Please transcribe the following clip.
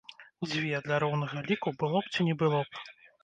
Дзве, для роўнага ліку, было б ці не было б?